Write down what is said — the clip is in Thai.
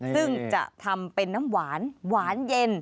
ซึ่งจะทำเป็นน้ำหวานหวานเย็น